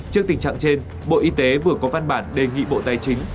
trước tình trạng trên bộ y tế vừa có văn bản đề nghị bộ tài chính